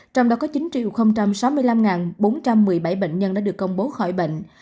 trong đó có chín sáu mươi năm bốn trăm một mươi bảy bệnh nhân đã được công bố khỏi bệnh